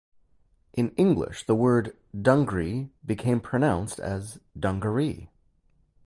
In English, the word "dungri" became pronounced as "dungaree".